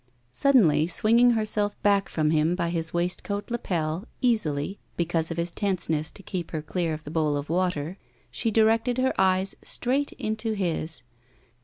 Suddenly, swinging herself back from him by his waistcoat lapel, easily, because of his tenseness to keep her clear of the bowl of water, she directed her eyes straight into his.